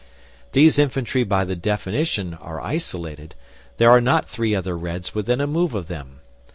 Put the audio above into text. These infantry by the definition are isolated; there are not three other Reds within a move of them.